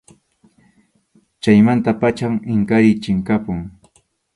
Chaymanta pacham Inkariy chinkapun.